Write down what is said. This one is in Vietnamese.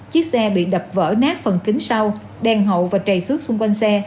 chiếc xe bị đập vỡ nát phần kính sau đèn hậu và trầy xước xung quanh xe